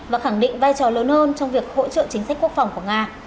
và khẳng định vai trò lớn hơn trong việc hỗ trợ chính sách quốc phòng của nga